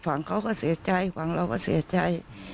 ฝั่งเขาก็เสียใจฝั่งเราก็เสียใจ